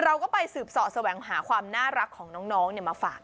เราก็ไปสืบเสาะแสวงหาความน่ารักของน้องมาฝาก